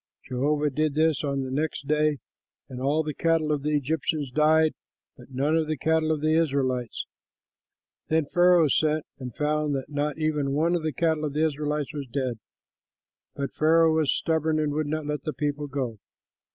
Jehovah did this on the next day, and all the cattle of the Egyptians died; but none of the cattle of the Israelites. Then Pharaoh sent and found that not even one of the cattle of the Israelites was dead; but Pharaoh was stubborn and would not let the people go.